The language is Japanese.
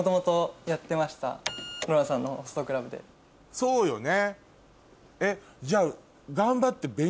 そうよね。